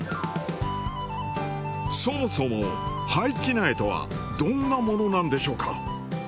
そもそも廃棄苗とはどんなものなんでしょうか？